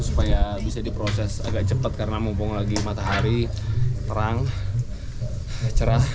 supaya bisa diproses agak cepat karena mumpung lagi matahari terang cerah